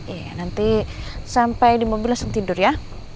iya nanti sampai di mobil langsung tidur ya